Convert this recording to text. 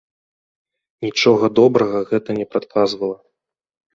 Нічога добрага гэта не прадказвала.